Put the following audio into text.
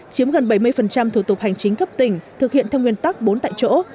chiếm gần bảy mươi thủ tục hành chính cấp tỉnh thực hiện theo nguyên tắc bốn tại chỗ